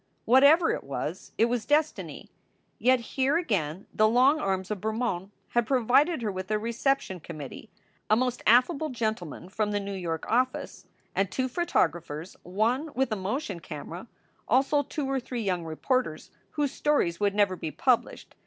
Whatever it was, it was destiny. Yet here again the long arms of Bermond had provided her with a reception com mittee a most affable gentleman from the New York office, and two photographers, one with a motion camera, also two or three young reporters whose stories would never be pub lished.